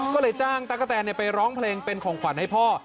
ก็เลยจ้างตั๊กกะแตนไปร้องเพลงเป็นของขวัญให้พ่อ